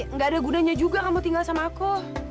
nggak ada gunanya juga kamu tinggal sama aku